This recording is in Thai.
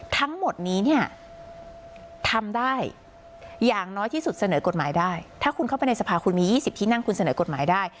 ทั้งหมดนี้เนี่ยทำได้อย่างน้อยที่สุดเสนอกฎหมายได้ถ้าคุณเข้าไปในสภาคุณมี๒๐ที่นั่งคุณเสนอกฎหมายได้